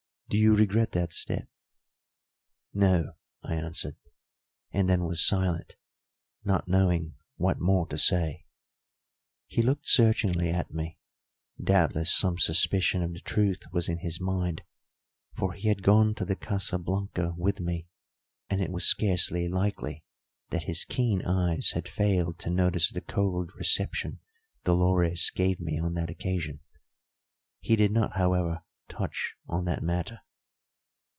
Do you regret that step?" "No," I answered, and then was silent, not knowing what more to say. He looked searchingly at me. Doubtless some suspicion of the truth was in his mind; for he had gone to the Casa Blanca with me, and it was scarcely likely that his keen eyes had failed to notice the cold reception Dolores gave me on that occasion. He did not, however, touch on that matter.